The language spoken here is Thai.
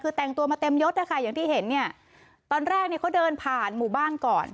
คือแต่งตัวมาเต็มยศนะคะอย่างที่เห็นเนี่ยตอนแรกเนี่ยเขาเดินผ่านหมู่บ้านก่อน